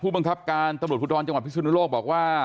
ผู้บังคับการณ์ตบรุษครูดร้อนจังหวัดภิกษานูโลกบอกว่า